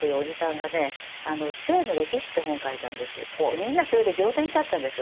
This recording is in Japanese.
みんなそれで仰天しちゃったんですよ。